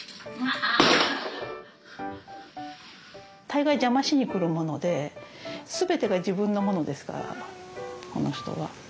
大概邪魔しに来るもので全てが自分のものですからこの人は。